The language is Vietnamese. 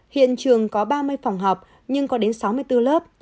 hiện trường có ba mươi phòng học nhưng có đến sáu mươi bốn lớp